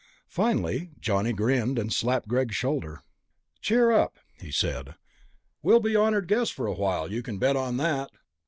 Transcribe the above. Finally Johnny grinned and slapped Greg's shoulder. "Cheer up," he said. "We'll be honored guests for a while, you can bet on that."